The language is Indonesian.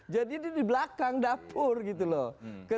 jadi ini di belakang dapur gitu loh